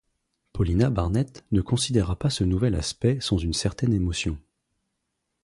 Paulina Barnett ne considéra pas ce nouvel aspect sans une certaine émotion.